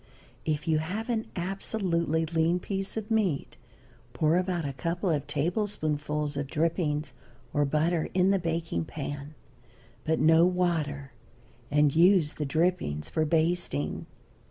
If you have an absolutely lean piece of meat pour about a couple of tablespoonfuls of drippings, or butter, in the baking pan, but no water, and use the drippings for basting.